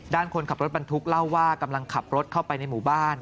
คนขับรถบรรทุกเล่าว่ากำลังขับรถเข้าไปในหมู่บ้าน